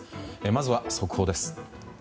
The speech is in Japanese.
まずは速報です。